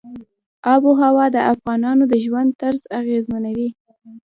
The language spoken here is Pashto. آب وهوا د افغانانو د ژوند طرز اغېزمنوي.